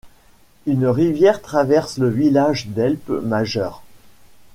Une rivière traverse le village, l'Helpe Majeure.